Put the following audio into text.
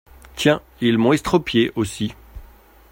Tiens ! ils m’ont estropié aussi.